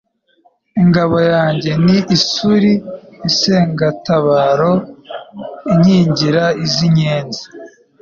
Ingabo yanjye ni isuli, isengatabaro ikingira iz'inkenzi